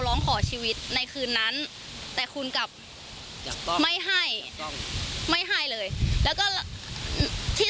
ร้องขอชีวิตในคืนนั้นแต่คุณกลับไม่ให้ไม่ให้เลยแล้วก็ที่